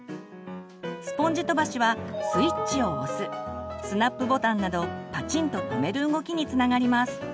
スポンジ飛ばしはスイッチを押すスナップボタンなどパチンと留める動きにつながります。